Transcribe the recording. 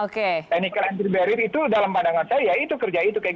technical entry barrier itu dalam pandangan saya itu kerja itu